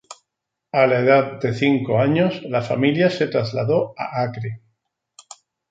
A la edad de cinco años la familia se trasladó a Acre.